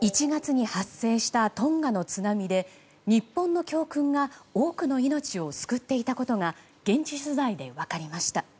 １月に発生したトンガの津波で日本の教訓が多くの命を救っていたことが現地取材で分かりました。